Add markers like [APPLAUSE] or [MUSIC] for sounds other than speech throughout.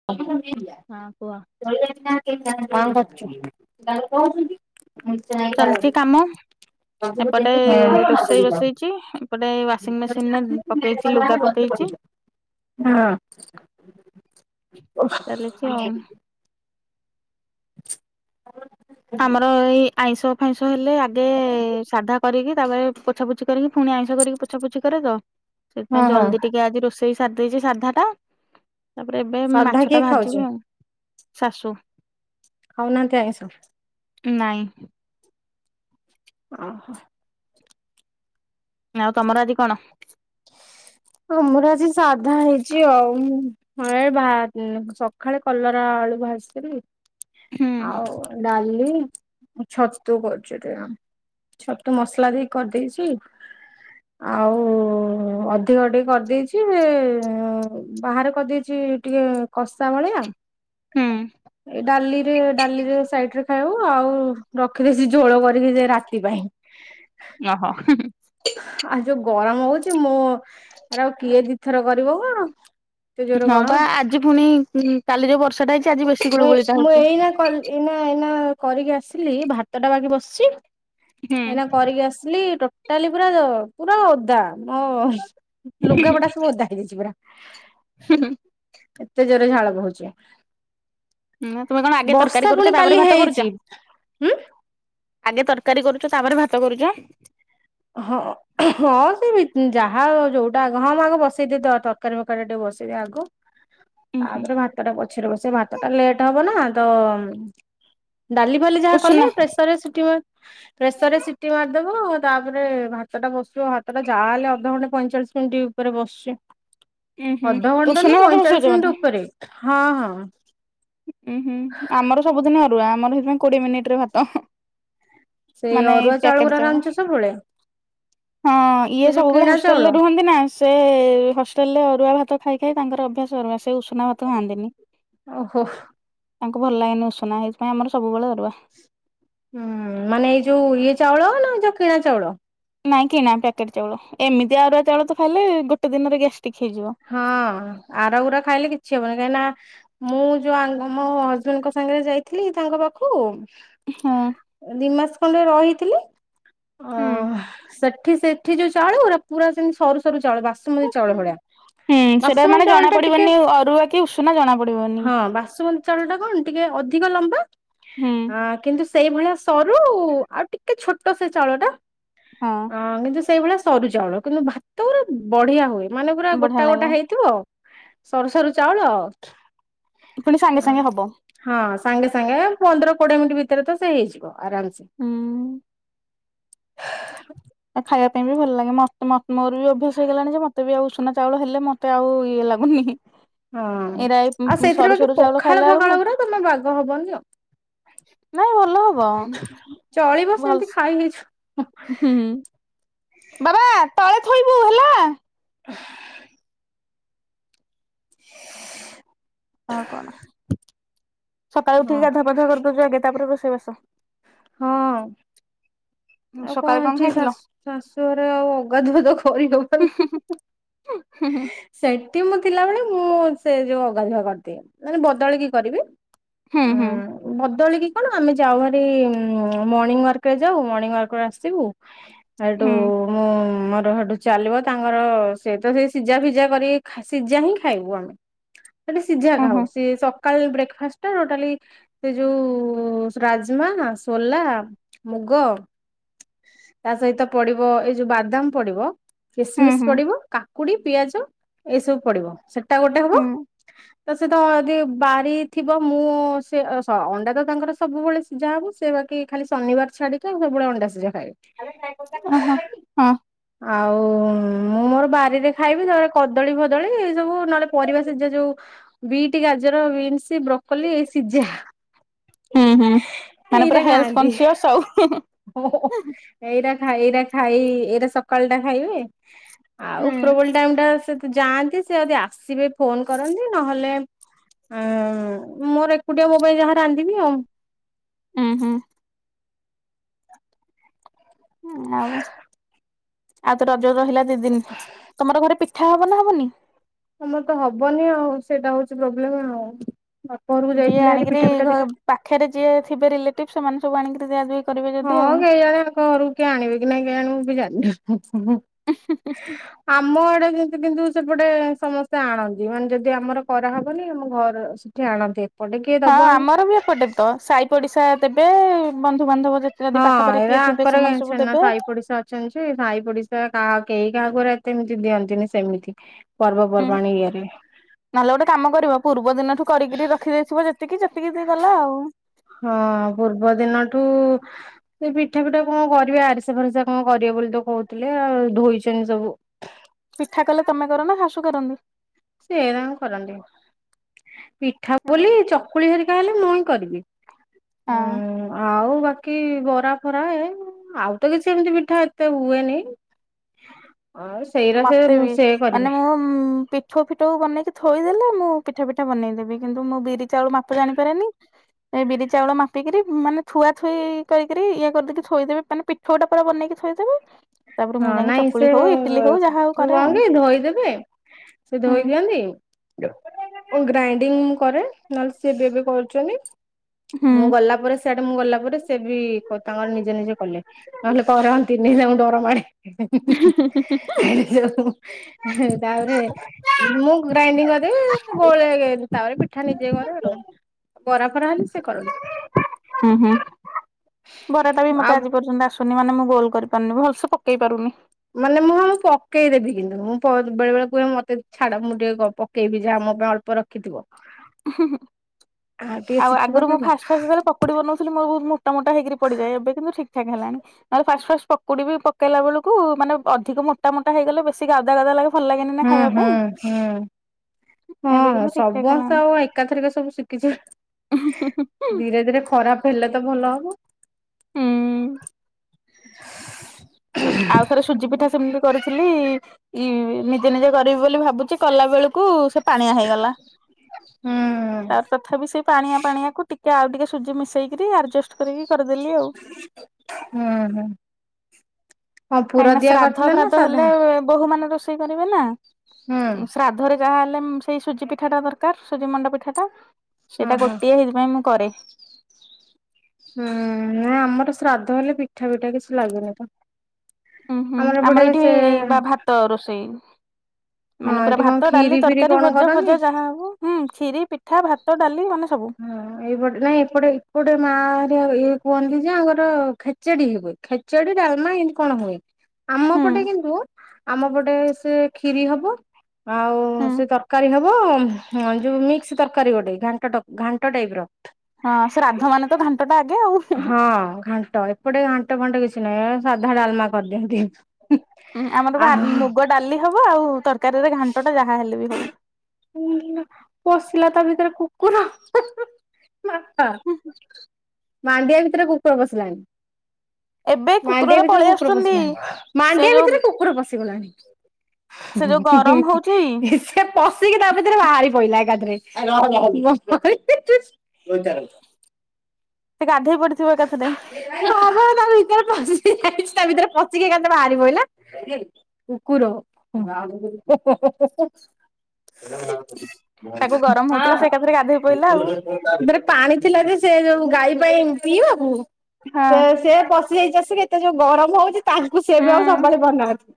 [UNINTELLIGIBLE] ହଁ କୁହ। କଁ କର୍ ଛୁ? ଚାଲିଛି କାମ ଏପଟେ ରୋଷେଇ ବସେଇଛି, ଏପଟେ ୱାସିଂ ମେସିନ ରେ ପକେଇଚି। ସେ ଲୁଗା ପକେଇଚି। ହଁ ଚାଲିଛି ଆଉ। [UNINTELLIGIBLE] ଆମର ଏଇ ଆଇଁଷ ଫାଇଁଷ ହେଲେ ଆଗେ ସାଧା କରିକି ତାପରେ ପୋଛାପୋଛି କରିକି ପୁଣି ଆଇଁଷ କରିକି ପୋ ପୋଛାପୁଛି କରେ ତ ସେଥିପାଇଁ ଜଲ୍ଦି ଟିକେ ଆଜି ରୋଷେଇ ସାରି ଦେଇେଛି ସାଧା ଟା। ତାପରେ ଏବେ ସାଧା ମାଛ ଟା କିଏ ଖାଉଛି ଭାଜିମି ଆଉ, ଶାଶୁ। ହଉନାହାନ୍ତି ଆଇଁଷ୍ ନାଇଁ। ଓହୋ। ଆଉ ତମର ଆଜି କଣ? ହଁ ଆମର ଆଜି ସାଧା ହେଇଛି ଆଉ। ହଁ ଏ ବାହାର୍ନି ସକାଳେ କଲରା, ଆଳୁ ଭାଜି କି। ହୁଁ ଆଉ ଡାଲି। ଛତୁ କରୁଛି ଏଠି, ଛତୁ ମସଲା ଦେଇ କରିଦେଇଛି। ଆଉ-ଉ-ଉ ହ ଅଧିକ ଟିକେ କରିଦେଇଛି, ଏ ବାହାରେ କରିଦେଇଛି ଟିକେ କଷା ଭଳିଆ। ହୁଁ। ଏ ଡାଲିରେ ଡାଲିରେ ସାଇଡ୍ ରେ ଖାଇବୁ ଆଉ ରଖିଦେଇଛି ଝୋଳ କରିକି ଦେ ରାତି ପାଇଁ। ଓହୋ, ହୁଁ। ଆଉ ଯୋଉ ଗରମ୍ ହୋଉଛି, ମୋର ଆଉ କିଏ ଦିଥର କରିବ କଣ। ଜୋରେ ହଁ ଗରମ ବା ଆଜି ପୁଣି କାଲି ଯୋଉ ବର୍ଷାଟା ହେଇଛି, ଆଜି ବେଶୀ ମୁଁ ଗୁଳୁଗୁଳିଟା ମୁଁ ହୋଉଛି। ଏଇନା ଏଇନା ଏଇନା କରିକି ଆସିଲି ଭାତଟା ବାକି ବସିଛି। ହୁଁ ଏଇନା କରିକି ଆସିଲି ଟୋଟାଲି ପୁରା ପୁରା ଓଦା ମୋଓ ଲୁଗାପଟା ସବୁ ଓଦା ହେଇଯାଇଛି ପୁରା। ହୁଁ -ହୁଁ। ଏତେ ଜୋରେ ଝାଳ ବହୁଛି। ନା ତମେ କଣ ଆଗେ ତରକାରୀ ବର୍ଷା କରୁଛ ପୁଣି ତାପରେ କାଲି ଭାତ କରୁଛ ହେଇଛି, ହୁଁ ଆଗେ ତରକାରୀ କରୁଛ, ତାପରେ ଭାତ କରୁଚ। ହଁ-ଅଁ। ହଁ ସେ ଯାହା ଯୋଉଟା ଆଗ ହଁ ଆଗ ବସେଇଦି ତ ତରକାରୀ ଫରକାରୀ ଟିକେ ବସେଇଦିଏ ଆଗ। [INAUDIBLE] ତାପରେ ଭାତ ଟା ପଛରେ ବସେ ଭାତ ଟା ଲେଟ ହବ ନା ତ ଡାଲି ଫାଲି ଯାହା ଉଷୁନା କଲେ ପ୍ରେସର ରେ ପ୍ରେସରରେ ସିଟି ମାରିଦବ। ତାପରେ ଭାତ ଟା ବସିବ ଭାତ ଟା ଯାହାହଲେ ଅଧଘଣ୍ଟେ ପଇଁଚାଳିଶ ମିନିଟ୍ ଉପରେ ବସୁଛି। ଉୁଁ ହୁଁ ଅଧଘଣ୍ଟା ନୁ ଉଷୁନା ଭାତ ବସଉଛ ପଇଁଚାଳିଶ ବୋଧେ ମିନିଟ ଉପରେ ହଁ- ହଁ। ଉଁ ହୁଁ ଆମର ସବୁଦିନି ଅରୁଆ ଆମର ସେଇଥିପାଇଁ କୋଡିଏ ମିନିଟି ରେ ଭାତ। ସେ ମାନେ ଅରୁଆ ଏଇ ପ୍ୟାକେଟେ ଗୁରା ଚାଉଳ। ରାନ୍ଧୁଛ ସବୁବେଳେ ହଁ ସେ ଇଏ ଯୋଉ ସବୁବେଳେ କିଣା ଚାଉଳ? ହଷ୍ଟେଲରେ ରୁହନ୍ତି ନା ସୁ। ସେ ହଷ୍ଟେଲରେ ଅରୁଆ ଭାତ ଖାଇ, ଖାଇ ତାଙ୍କର ଅଭ୍ୟାସ ଅରୁଆ ସେ ଉଷୁନା ଭାତ ଖାଆନ୍ତିନି। ଓହୋ। ତାଙ୍କୁ ଭଲ ଲାଗେନି ଉସୁନା ହେଇଥିପାଇଁ ଆମର ସବୁବେଳେ ଅରୁଆ। ହୁଁ ମାନେ ଏଇ ଯୋଉ ଇଏ ଚାଉଳ ନା ଯୋଉ କିଣା ଚାଉଳ। ନାଇଁ କିଣା ପ୍ୟାକେଟ୍ ଚାଉଳ ଏମିତି ଆରୁଆ ଚାଉଳ ତ ଖାଇଲେ ଗୋଟେ ଦିନରେ ଗ୍ୟାଷ୍ଟିକି ହେଇଯିବ। ହଁ ଆର ଗୁରା ଖାଇଲେ କିଛି ହବନି କାହିଁକି ନା। ମୁଁ ଯୋଉ ଆଙ୍କ ମୋ ହଜବେଣ୍ଡଙ୍କ ସାଙ୍ଗରେ ଯାଇଥିଲି ତାଙ୍କ ପାଖୁକୁ। ହୁଁ। ଦି ମାସେ ଖଣ୍ଡେ ରହିଥିଲି ଅ ହଁ ସେଠି ସେ। ଏଠି ଯୋଉ ଚାଉଳ ଗୁରା ପୁରା ସେମିତି ସରୁ, ସରୁ ଚାଉଳ ବାସୁମତି ଚାଉଳ ହୁଁ ଭଳିଆ। ହୁଁ ସେଟା ବାସୁମତି ମାନେ ଜଣା ଚାଉଳ ଟା ଟିକେ ପଡିବନି ଅରୁଆ କି ଉଷୁନା ଜଣା ପଡିବନି। ହଁ ବାସୁ ଚାଉଳ ଟା କ'ଣ ଟିକେ ଅଧିକ ଲମ୍ବା ହୁଁ ଆ କିନ୍ତୁ। ସେଇଭଳିଆ ସରୁ ଆଉ ଟିକେ ଛୋଟ ସେ ଚାଉଳଟା ହଁ ଅ କିନ୍ତୁ ସେଇଭଳିଆ। ସରୁ ଚାଉଳ କିନ୍ତୁ ଭାତ ଗୁରା ବଢିଆ ହୁଏ ମାନେ ପୁରା ବଢିଆ ଗୋଟା, ଲାଗିବ ଗୋଟା ହେଇଥିବ। ସରୁ, ସରୁ ଚାଉଳ। ପୁଣି ସାଙ୍ଗେ, ସାଙ୍ଗେ ହବ। ହଁ ସାଙ୍ଗେ, ସାଙ୍ଗେ ପନ୍ଦର, କୋଡିଏ ମିନିଟ୍ ଭିତରେ ତ ସେ ହେଇଯିବ ଆରାମସେ। ହୁଁ। ଖାଇବା ପାଇଁ ବି ଭଲ ଲାଗେ ମତେ ମତ ମୋର ବି ଅଭ୍ୟାସ ହେଇଗଲାଣି ଯେ ମତେ ବି ଆଉ ଉସୁନା। ଚାଉଳ ହେଲେ ମତେ ଆଉ ଇଏ ଲାଗୁନି ହି ହି। ହଁ ଆଉ ସେଇଥିରେ ବାକି ଚାଉଳ ଖାଇଲା ପଖାଳ, ବେଳକୁ ଫଖାଳ ଗୁଡା ଜମା ବାଗ ହବନି ଆଉ। ନାଇଁ ଭଲ ହଉ। ଚଳିବ ସେମିତି ଖାଇ ହେଇଛୁ ହୁଁ ବାବା ତଳେ ଥୋଇବୁ ହେଲା। [UNINTELLIGIBLE] [UNINTELLIGIBLE] ହଁ ଆଉ କଣ ସକାଳୁ ଉଠିକି ହଁ ଗାଧୁଆ, ପାଧୁଆ କରିଦଉଚୁ ଆଗେ ତାପରେ ରୁଷେଇ ବାସ। ଆଉ ସକାଳେ କ'ଣ ଏଠି ଖାଇଥିଲ? ଶାଶୁ ଶାଶୁଘରେ ଆଉ ଅଗାଧୁଆ ତ କରିହବନି ହି ହି ହି। ଉଁ ହୁଁ ହୁଁ। ସେଇଠି ମୁଁ ଥିଲାବେଳେ ମୁଁ ସେ ଯଉ ଅଗାଧୁଆ କରିଦିଏ ମାନେ ବଦଳିକି କରିବି। ହୁଁ ଅ ହୁଁ ବଦଳିକି କ'ଣ ଆମେ ଯାଉ ଭାରି। ଉଁ ମର୍ଣିଂ ୱାର୍କ ରେ ଯାଉ ମର୍ଣ୍ଣିଂ ୱାର୍କରେ ଆସିବୁ। ହେଠୁ ହୁଁ ଉଁ ମୁଁ ମୋର ହେଠୁ। ଚାଲିବ ତାଙ୍କର ସେ ତ ସେ ସିଝା, ଫିଜା କରି କି ସିଝା ହିଁ ଖାଇବୁ ଆମେ। ସେଠି ସିଝା ହୁଁ ଟା ହବ ହୁଁ ସିଏ ସକ କାଲେ ବ୍ରେକ୍ଫାଷ୍ଟ ଟୋଟାଲି ସେ ଯୋଉ ରାଜମା ସୋଲା, ମୁଗ। ତା ସହିତ ପଡିବ ଏଇ ଯୋଉ ବାଦାମ ପଡିବ ହୁଁ ହୁଁ କିସିମିସି ପଡିବ କା କାକୁଡି, ପିଆଜ ଏଇ ସବୁ ପଡିବ ସେଟା ଗୋଟେ ହବ। ହୁଁ ତ ସେତ ଯଦି ବାରି ଥିବ ମୁଁ ସେ ହ ଅଣ୍ଡାତ ତାଙ୍କର ସବୁବେଳେ ସିଝା ହବ। ସେ ବାକି ଖାଲି ଶନିବାର ଛାଡିକି ସବୁବେଳେ ଅଣ୍ଡା ସିଝା ଖାଇବେ। [UNINTELLIGIBLE] ହଁ। ଆଉ ମୁଁ ମୋର ବାରିରେ ଖାଇବି ତମେ କଦଳୀ ଫଦଳୀ ଏ ସବୁ ନହେଲେ ପରିବା ସିଜା ଯୋଉ ବିଟ ଗାଜର ବିନ୍ସ ବ୍ରୋକୋଲି ଏଇ ସିଝା। ହୁଁ ହୁଁ ମାନେ ପୁରା ଏଇରା ହେଲଥ ଖାଆନ୍ତି କନସିଅସ୍ ସବୁ। [UNINTELLIGIBLE] ଏଇରା ଖାଇ ଏଇରା ଖାଇ ଏଇଟା ସକାଳ ଟା ଖାଇବି। ଆଉ ହୁଁ। ଉପରବଳୀ ଟାଇମ ଟା ସେ ତ ଯାଆନ୍ତି, ସେ ଯଦି ଆସିବେ ଫୋନ କରନ୍ତି ନହେଲେ ହଁ ମୋର ଏକୁଟିଆ ମୋପାଇଁ ଯାହା ରାନ୍ଧିବି ଆଉ। ହୁଁ ହୁଁ। ଉଁ ଆଉ। ଆଉ ତ ରଜ ରହିଲା ଦି ଦିନି, ତମର ଘରେ ପିଠା ହବ ନା ହବନି? ଆମର ତ ହବନି ଆଉ ସେଇଟା ହଉଛି ପ୍ରୋବ୍ଲେମ ଆଉ, ବାପଘରକୁ ଯିଏ ଯାଇଥିଲେ ବାହାରି ଆଣିକିରି ପିଠା ଘ ଫିଠା ଦିଇଟା ପାଖରେ ଯିଏ ଥିବେ ରିଲେଟିଭ ସେମାନେ ସବୁ ଆଣିକିରି ଦିଅନ୍ତି। ହଁ ଏଇ ଗାଁ ରେ ଆଙ୍କ ଘରୁକୁ କିଏ ଆଣିବେ କି ନାହିଁ କେଜାଣି ମୁଁ ବି ଜାଣିନି। [UNINTELLIGIBLE] ଆମ ଆଡେ ଯେମିତି କିନ୍ତୁ ସେପଟେ ସମସ୍ତେ ଆଣନ୍ତି ମାନେ ଯଦି ଆମର କରାହବନି, ଆମ ଘରେ କିଏ ଆଣନ୍ତି? ଏପଟେ କିଏ ହଁ ଦବ ଆଣି ଆମର ବି ଏପଟେ ତ ସାହି ପଡିଶା ଦେବେ ବନ୍ଧୁବାନ୍ଧବ ଦେ ହଁ ଏ ଆଙ୍କର ଏ ଛେନା ସାଇ ପଡିଶା ଅ ସେନ୍ସି, ସାଇ ପଡିଶା କାହା କେହି କାହା ଘରେ ଏତେ ଏମିତି ଦିଅନ୍ତିନି ସେମିତି। ହୁଁ। ପର୍ବପର୍ବାଣିୀ ଇଏରେ। ନହେଲେ ଗୋଟେ କାମ କରିବା ପୂର୍ବ ଦିନଠୁ କରିକିରି ରଖିଦେଇଥିବ ଯେତିକି ସେତିକି ସେ ଗଲା ଆଉ। ହଁ ପୂର୍ବ ଦିନଠୁ ସେ ପିଠା ଫିଠା କଣ କରିବେ ଆରିସା ଫାରିସା କଣ କରିବେ ବୋଲି ତ କହୁଥିଲେ ଆଉ, ଧୋଇଛନ୍ତି ସବୁ। ପିଠା କଲେ ତମେ କରନା, ଶାଶୁ କରନ୍ତି? ସେ ତାଙ୍କର କରନ୍ତି, ପିଠା ବୋଲି ଚକୁଳି ହେରିକା ହେଲେ ମୁଇଁ କରିବି। ହଁ। ହୁଁ ଆଉ ବା କି ବରା ଫରା ଏ, ଆଉ ତ କିଛି ଏମିତି ପିଠା ଏତେ ହୁଏନି। ଆଉ ସେଇରା ସେ, ସେ କରିବେ। ହୁଁ। ପିଠଉ ଫିଠଉ ବନେଇକି ଥୋଇଦେଲେ ମୁଁ ପିଠା ଫିଠା ବନେଇ ଦେବି କିନ୍ତୁ ମୁଁ ବିରି ଚାଉଳ ମାପ ଜାଣିପାରେନି। ଏ ବିରି ଚାଉଳ ମାପିକରି ମାନେ ଥୁଆଥୁଇ କରିକିରି ଇଏ କରିଦେଇକି ଥୋଇଦେବେ, ମାନେ ପି ଛଅ ଟା ପରେ ବନେଇକି ଥୋଇଦେବୁ, ତାପରେ ମୁଁ ହଁ ଯାଇକି ନାଇଁ ଚକୁଳି ହଉ ଇ [UNINTELLIGIBLE] ଧୋଇଦେବେ ସେ ହୁଁ। ଧୋଇ ଦିଅନ୍ତି। ଓ ଗ୍ରାଇଣ୍ଡିଙ୍ଗ କରେ ନହେଲେ ସିଏ ବି ଏବେ କରୁଛନ୍ତି। ମୁଁ ହୁଁ। ଗଲା ପରେ ସାଡେ ମୁଁ ଗଲା ପରେ ସେ ବି ତାଙ୍କର ନିଜେ ନିଜେ କଲେ ନହେଲେ କରନ୍ତିନି ତାଙ୍କୁ ଡର ମାଡେ। [UNINTELLIGIBLE] ତାପରେ ମୁଁ ଘୁରାଇନି କ ହେ ଗୋଳେଇ ତାପରେ ପିଠା ନିଜେ କରେ ଆଉ, ବରା ଫରା ହେଲେ ସେ କରନ୍ତି। ହୁଁ ହୁଁ ବରା ଟା ବି ଆଉ ମତେ ଆଜି ପର୍ଯ୍ୟନ୍ତ ଆସୁ ଆସୁନି ମାନେ ମୁଁ ଗୋଲ କରିପାରୁନି ଭଲସ ପକେଇ ପାରୁନି। ମାନେ ମୁଁ ପକେଇଦେବି କିନ୍ତୁ ମୁଁ ବେଳେ ବେଳେ କୁହେ ମତେ ଛାଡ, ମୁଁ ଟିକେ ପ ପ ପକେଇବି ଯାହା ମୋ ପାଇଁ ଅଳ୍ପ ରଖିଥିବ। [UNINTELLIGIBLE] ଟିକେ ଆଉ ଶିଖିବ ଆଗରୁ ନା ମୁଁ ନାଇଁ। ଫାଷ୍ଟ ଫାଷ୍ଟ ଯେତେବେଳେ ପକୁଡି ବନଉଥିଲି ମୋ ବହୁତ ମୋଟ ମୋଟା ହେଇକରି ପଡିଯାଏ ଏବେ କିନ୍ତୁ ଠିକ ଠାକ ହେଲାଣି। ମାନେ ଫାଷ୍ଟ ଫାଷ୍ଟ ପକୁଡି ବି ପକେଇଲା ବେଳକୁ ମାନେ ଅଧିକ ମୋଟ ମୋଟା ହେଇଗଲେ ବେଶୀ ଗାଦା ଗାଦା ଲାଗେ ଭଲ ଲାଗେନି ନା ହୁଁ ଖାଇବା ହୁଁ ପାଇଁ। ହୁଁ ଏବେ ହଁ କିନ୍ତୁ ଠିକ ଠାକ ସମସ୍ତେ ହେଲାଣି। ଆଉ ଏକାଥରିକ ସବୁ ଶିଖିଛି ଧୀରେ ଧୀରେ ଖରାପ ହେଲେ ତ ଭଲ ହବ ହଁ [INAUDIBLE] ଆଉ ଥରେ ସୁଜି ପିଠା ସେମିତି କରିଥିଲି ନିଜେ ନିଜେ କରିବି ବୋଲି ଭାବୁଛି କଲା ବେଳକୁ କୁ ସେ ପାଣିଆ ହେଇଗଲା ହୁଁ ତାର ତଥାପି ସେ ପାଣିଆ ପାଣିଆକୁ ଟିକ କି ଆଉ ଟିକେ ସୁଜି ମିଶେଇକରି ଆଡଜଷ୍ଟ କରିକି କରିଦେଲି ଆଉ ହୁଁ ହଁ ପୁର କାହିଁକି ନା ଦିଆ ଶ୍ରାଦ୍ଧ କରିଥିଲ ନା ଫ୍ରାଦ୍ଧ ସାଧା ହେଲେ ବୋହୂ ମାନେ ରୋଷେଇ କରିବେ ନା ହୁଁ ଶ୍ରାଦ୍ଧ ଦ୍ଧରେ ଯାହା ହେଲେ ସେଇ ସୁଜି ପିଠା ଟା ଦରକାର ସୁଜି ମଣ୍ଡା ପିଠାଟା ସେଇଟା ଓହୋ ଗୋଟିଏ ହେଇ ପାଇଁ ମୁଁ କରେ ହୁଁ ନାଇଁ ଆମର ଶ୍ରାଦ୍ଧ ହେଲେ ପିଠା ପିଠା କିଛି ଲାଗୁନି ଆମର ଏ ପଟେ ସେ ତ ରୋଷେଇ ହଁ ମାନେ ପୁରା ଏଠି କଣ ଭାତ ଡାଲି ଖିରି ଫିରି ତରକାରୀ କଣ ଭଜା କରନ୍ତି ଫଜା ଯାହା ହବ ହୁଁ ଖିରୀ ପିଠା ଭାତ ଡାଲି ମାନେ ସବୁ ହଁ ଏପଟେ ନାଇଁ ଏପଟେ ଏପଟେ ମାଆ ଇଏ କୁହନ୍ତି ଯେ ଆଙ୍କର ଖେଚେଡି ଖେଚେଡି ଡ଼ାଲମା ଏମିତି କଣ ହୁଏ ଆମ ହୁଁ ଏପଟେ କିନ୍ତୁ ଆମ ପଟେ ସେ ଖିରି ହବ ଆଉ ହୁଁ ସେ ତରକାରୀ ହବ ଯୋଉ ମିକ୍ସ ତରକାରୀ ଗୋଟେ ଘାଣ୍ଟ ଟ ଘଣ୍ଟ ଟାଇପ୍ ର ହଁ ଶ୍ରାଦ୍ଧ ମାନେ ତ ଘାଣ୍ଟ ଟା ଆଗେ ଆଉ ହଁ ଘାଣ୍ଟ ଏପଟେ ଘାଣ୍ଟ ଫାଣ୍ଟ କିଛି ନାହିଁ ଏ ସାଧା ଡାଲମା କରିଦିଅନ୍ତି ହଁ ଆମର ବା ମୁଗ ଡାଲି ହବ ଆଉ ତରକାରୀରେ ଘାଣ୍ଟଟା ଯାହା ହେଲେ ବି ହବ ପଶିଲା ତା ଭିତରେ କୁକୁର ମାଥା ମାଣ୍ଡିଆ ଭିତରେ କୁକୁର ବସିଲାଣି ଏବେ ମାଣ୍ଡିଆ କୁକୁରରା ଭିତରେ ପଳେଇ କୁକୁର ଆସୁଛନ୍ତି ପଶଗିଲାଣି ସେ ମାଣ୍ଡିଆ ଯୋଉ ଭିତରେ କୁକୁର ପଶିଗଲାଣି ସେ ଯଉ ଗ ହି ଇ ସେ ପଶିକି ତା ଭିତରେ ବାହାରି ପଡିଲା ଏକାଥରେ ହଉଚାର ସେ ଗାଧେଇ ପଡିଥିବ ଏକାକଥରେ ତା ଭିତରେ ପଶି ଯାଇଚି ତା ଭିତରେ ପଶିକି ଏକାଥରେ ବାହାରି ପଡ଼ିଲା କୁକୁର ହଁ ତାକୁ ଗରମ ହଉଥିଲା ସେ ଏକାଥରେ ଗାଧେଇ ପଇଲା ଆଉ ସେଥିରେ ପାଣି ଥିଲା ଯେ ସେ ଯୋଉ ଗାଈ ପାଇଁ ପିଇବାବୁ ହଁ। ସେ ପଶ ଏଇ ଚାଷୀ କେତେ ଯୋଉ ଗରମ ହଉଛି ତାଙ୍କୁ ସେ ଏବେ ଆଉ ସମ୍ଭାଳି ପାରୁନାହାନ୍ତି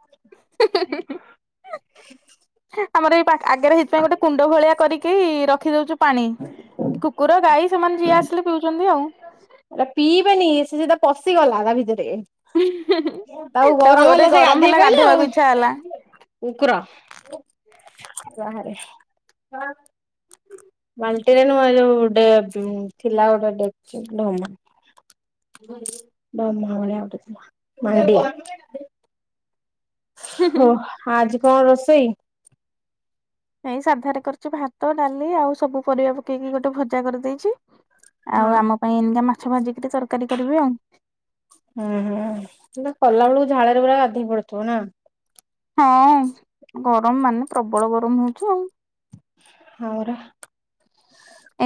[UNINTELLIGIBLE] ଆମର ଏଇ ପା ଆଗରେ ହେଇଥିପାଇଁ ଗୋଟେ କୁଣ୍ଡ ଭଳିଆ କରିକି ରଖି ଦଉଛୁ ପାଣି କୁକୁର ଗାଈ ସେମାନେ ଯିଏ ଆସିଲେ ପିଉଛନ୍ତି ଆଉ ଏଟା ପିଇବେନି ସେ ସିଧା ପଶିଗଲା ତା ଭିତରେ ଆଉ ତାକୁ ଗରମ ଜୋରରେ ହେଲା ସେ ଗରମ ଗାଧେଇ ହେଲା ପଇଲା ଆଉ ଗାଧେଇବାକୁ ଇଚ୍ଛା ହେଲା। କୁକୁର ବାହାରେ ବାଲ୍ଟି ରେ ନ ଏ ଯୋଉ ଗୋଟେ ଥିଲା ବଡ଼ଟେ [UNINTELLIGIBLE] ହୋ ଆଜି କଣ ରୋଷେଇ? ନାଇଁ ସାଧାରେ କରିଛି ଭାତ ଡାଲି ଆଉ ସବୁ ପରିବା ପକେଇକି ଗୋଟେ ଭଜା କରିଦେଇଛି। ହଁ ଆଉ ଆମ ପାଇଁ ଏଇନିକା ମାଛ ଭାଜିିକିରି ତରକାରୀ କରିବି ଆଉ। ଉହୁଁ କିନ୍ତୁ କଲା ବେଳକୁ ଝାଳରେ ପୁରା ଗାଧେଇ ପଡିଥିବୁ ନା। ହଁ ଗରମ ମାନେ ପ୍ରବଳ ଗରମ ହଉଛି ଆଉ। ହଉ।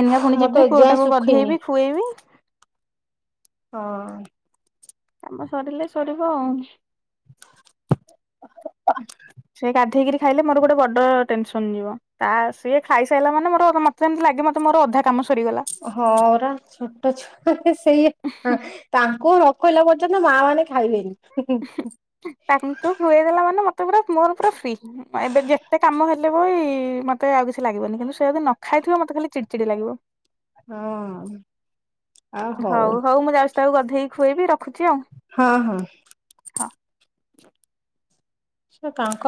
ଏଇନିକା ପୁଣି ଯିବି ପୁଅଟାକୁ ଶୁଖିନି ଗଧେଇବି ଖୁଆଇବି। ହଁ। କାମ ସରିଲେ ସରିବ ଆଉ। ସେ ଗାଧେଇକିରି ଖାଇଲେ ମୋର ଗୋଟେ ବଡ ଟେନସନ ଯିବ। ତା ସିଏ ଖାଇସାଇଲା ମାନେ ମୋର ମତେ ଯେମିତି ଲାଗେ ମତେ ମୋର ଅଧା କାମ ସରିଗଲା। ହଁ ଅରା ଛୋଟ ଛୁଆ ସେଇଆ। ତାଙ୍କୁ ନଖୋଇଲା ପର୍ଯ୍ୟନ୍ତ ମା ମାନେ ଖାଇବେନି। ତାଙ୍କୁୁ ଖୁଏଇଦେଲା ମାନେ ମତେ ପୁରା ମୋର ପୁରା ଫ୍ରି। ଏବେ ଯେତେ କାମ ହେଲେ ବ ମୋତେ ଆଉ କିଛି ଲାଗିବନି କିନ୍ତୁ ସେ ଯଦି ନ ଖାଇଥିବ ମୋତେ ଖାଲି ଚିଡ଼ିଚିଡ଼ି ଲାଗିବ। ହଁ ଅଁ। ହଉ ହଉ ମୁଁ ଯାଉଛି ତାକୁ ଗଧେଇକି ଖୁଆଇବି ରଖୁଛି ଆଉ। ହଁ ହଁ। ସେ କାଉଁ କାଉଁ